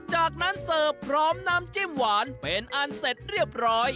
จากนั้นเสิร์ฟพร้อมน้ำจิ้มหวานเป็นอันเสร็จเรียบร้อย